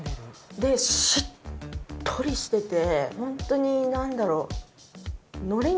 でしっとりしててホントになんだろう。